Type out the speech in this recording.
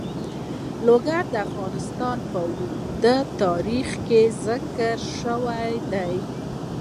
لوگر د افغانستان په اوږده تاریخ کې ذکر شوی دی.